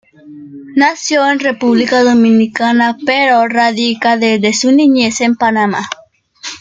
Nació en República Dominicana, pero radica desde su niñez en Panamá.